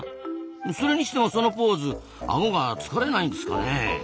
それにしてもそのポーズアゴが疲れないんですかね？